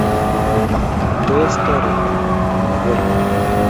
tos? Toroti nee koii?